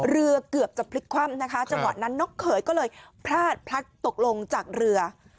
เกือบจะพลิกคว่ำนะคะจังหวะนั้นนกเขยก็เลยพลาดพลัดตกลงจากเรือ